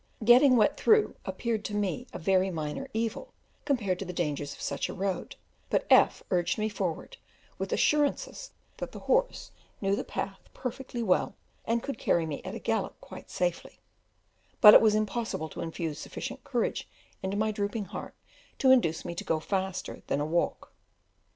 Getting wet through appeared to me a very minor evil compared to the dangers of such a road, but F urged me forward, with assurances that the horse knew the path perfectly well and could carry me at a gallop quite safely; but it was impossible to infuse sufficient courage into my drooping heart to induce me to go faster than a walk.